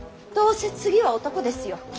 どうせ次は男ですよ。